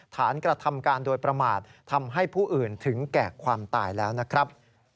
กระทำการโดยประมาททำให้ผู้อื่นถึงแก่ความตายแล้วนะครับ